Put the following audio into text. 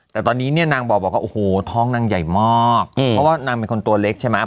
แต่ตอนนี้เนี่ยนางบอกว่าโอ้โหท้องนางใหญ่มากเพราะว่านางเป็นคนตัวเล็กใช่ไหม